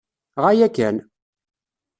Ɣaya-ken.